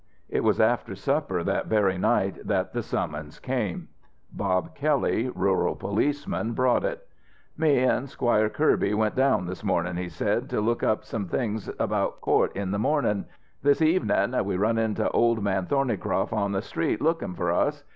It was after supper that very night that the summons came. Bob Kelley, rural policeman, brought it. "Me an' Squire Kirby went to town this mornin'," he said, "to look up some things about court in the mornin.' This evenin' we run into Old Man Thornycroft on the street, lookin' for us.